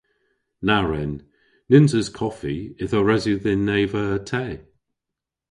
Na wren. Nyns eus koffi ytho res yw dhyn eva te.